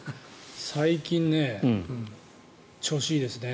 最近、調子がいいですね。